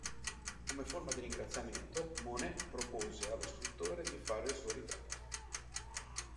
Come forma di ringraziamento, Manet propose allo scrittore di fare il suo ritratto.